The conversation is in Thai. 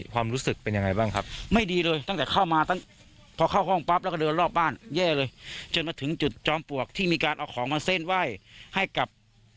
ความรู้สึกเป็นยังไงบ้างครับ